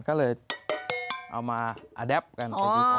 ก็เลยเอามาไปคุยกัน